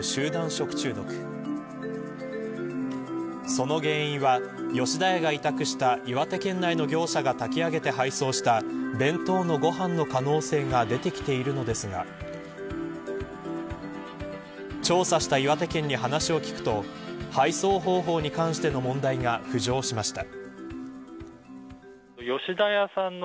その原因は、吉田屋が委託した岩手県内の業者が炊き上げて配送した弁当のご飯の可能性が出てきているのですが調査した岩手県に話を聞くと配送方法に関しての問題が浮上しました。